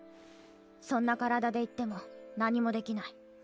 そんな体で行っても何もできない。